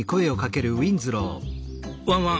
「ワンワン。